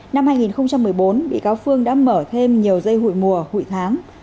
năm hai nghìn một mươi bốn bị cáo phương đã mở thêm nhiều dây hụi mùa hụi tháng